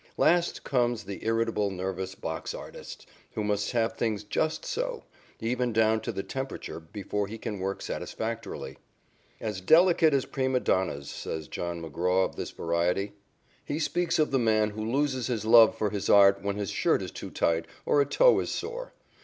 Last comes the irritable, nervous box artist who must have things just so, even down to the temperature, before he can work satisfactorily. "As delicate as prima donnas," says John McGraw of this variety. He speaks of the man who loses his love for his art when his shirt is too tight or a toe is sore.